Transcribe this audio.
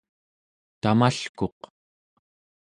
tamalkuq